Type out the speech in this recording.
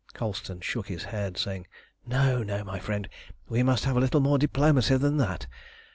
Colston shook his head, saying "No, no, my friend, we must have a little more diplomacy than that.